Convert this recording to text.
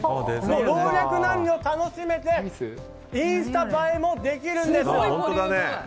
老若男女楽しめてインスタ映えもできるんです。